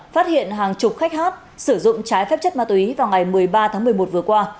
phát hiện hàng chục khách hát sử dụng trái phép chất ma túy vào ngày một mươi ba tháng một mươi một vừa qua